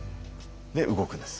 で動くんです